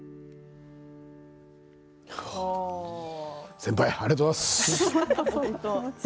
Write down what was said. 先輩ありがとうございます。